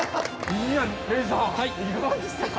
いや礼二さんいかがでしたか？